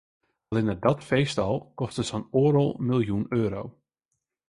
Allinne dat feest al koste sa'n oardel miljoen euro.